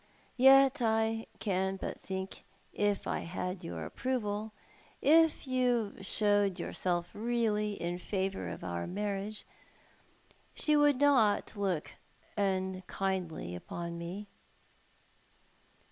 Yet I can but think if I had your approval — if you showed yourself really in favour of our marriage — she would not look unkindly upon me."